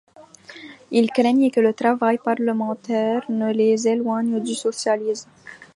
Ils craignaient que le travail parlementaire ne les éloigne du socialisme.